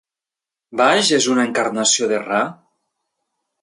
Baj és una encarnació de Ra?